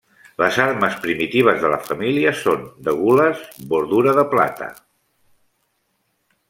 Les armes primitives de la família són: de gules, bordura de plata.